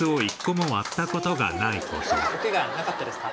おけがなかったですか？